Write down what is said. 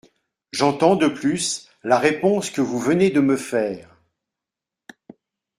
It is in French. J’entends, de plus, la réponse que vous venez de me faire.